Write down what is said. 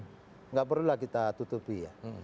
tidak perlulah kita tutupi ya